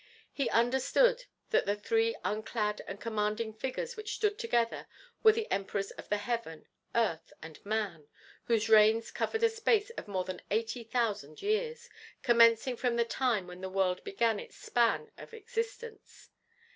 He understood that the three unclad and commanding figures which stood together were the Emperors of the Heaven, Earth, and Man, whose reigns covered a space of more than eighty thousand years, commencing from the time when the world began its span of existence.